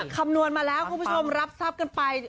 คำนวณมาแล้วคุณผู้ชมรับทรัพย์กันไป